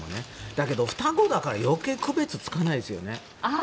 だけど双子だから余計、区別がつかないですよね。